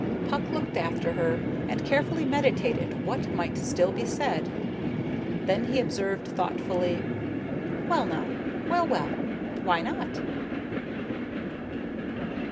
Puck looked after her, and carefully meditated what might still be said. Then he observed thoughtfully: "Well, now. Well, well. Why not?"